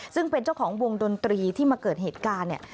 ซึ่งเป็นเจ้าของวงดนตรีที่มาเกิดเหตุการณ์เนี่ย